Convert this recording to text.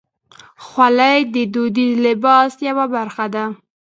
خولۍ د دودیز لباس یوه برخه ده.